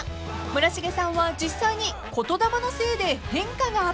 ［村重さんは実際に言霊のせいで変化があったそうで］